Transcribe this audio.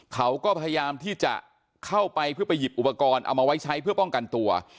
เขาก็พยายามที่จะเข้าไปเพื่อไปหยิบอุปกรณ์เอามาไว้ใช้เพื่อป้องกันตัว